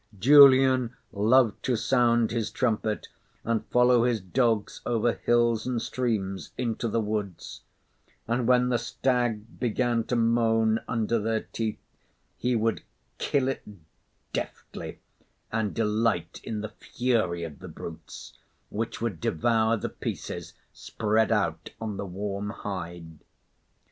Julian loved to sound his trumpet and follow his dogs over hills and streams, into the woods; and when the stag began to moan under their teeth, he would kill it deftly, and delight in the fury of the brutes, which would devour the pieces spread out on the warm hide.